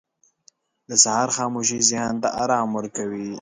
• د سهار خاموشي ذهن ته آرام ورکوي.